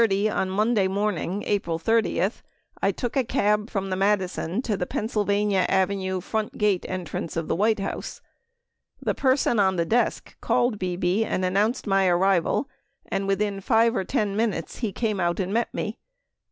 1006 At about 7 :30 on Monday morning, April 30, I took a cab from the Madison to the Pennsylvania Avenue front gate en trance of the White House The person on the desk called Bebe and announced my arrival and within 5 or 10 minutes, he came out and met me.